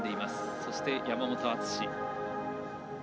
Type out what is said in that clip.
そして、山本篤。